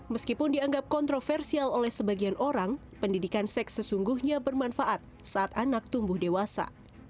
meskipun dianggap kontroversial oleh sebagian orang pendidikan seks sesungguhnya bermanfaat saat anak tumbuh dewasa